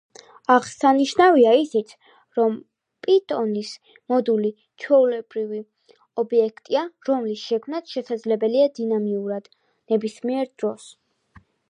აღსანიშნავია ისიც, რომ პითონის მოდული ჩვეულებრივი ობიექტია, რომლის შექმნაც შესაძლებელია დინამიურად, ნებისმიერ დროს.